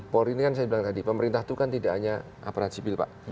polri ini kan saya bilang tadi pemerintah itu kan tidak hanya aparat sipil pak